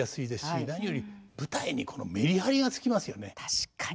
確かに。